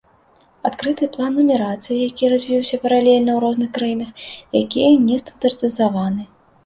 Адкрыты план нумарацыі, які развіўся паралельна ў розных краінах, якія не стандартызаваны.